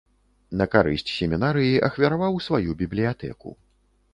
На карысць семінарыі ахвяраваў сваю бібліятэку.